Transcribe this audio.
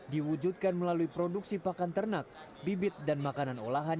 diwujudkan melalui produksi pakan ternak bibit dan makanan olahan